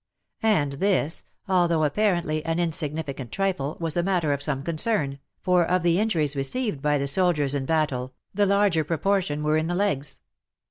And this, although apparently an insig nificant trifle, was a matter of some concern, for of the injuries received by the soldiers in battle, the larger proportion were in the legs.